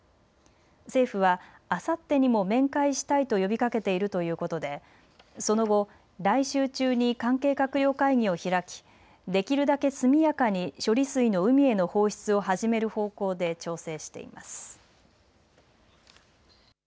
政府はあさってにも面会したいと呼びかけているということでその後、来週中に関係閣僚会議を開き、できるだけ速やかに処理水の海への放出を始める方向で調整しています。